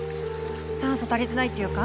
酸素足りてないっていうか。